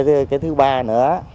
cái thứ ba nữa